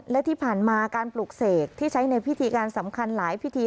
และที่ผ่านมาการปลูกเสกที่ใช้ในพิธีการสำคัญหลายพิธี